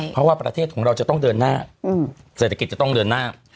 เพราะว่าประเทศของเราจะต้องเดินหน้าเศรษฐกิจจะต้องเดินหน้า